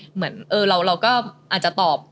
เหมือนเราก็อาจจะตอบ